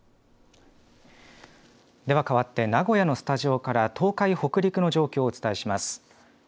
ではかわって名古屋のスタジオから、東海、北陸の状況をお伝えします。